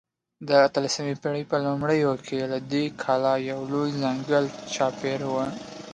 د اتلسمې پېړۍ په لومړیو کې له دې کلا یو لوی ځنګل چاپېر و.